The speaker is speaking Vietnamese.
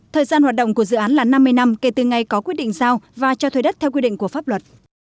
thời gian hoạt động của dự án là năm mươi năm kể từ ngày có quyết định giao và cho thuê đất theo quy định của pháp luật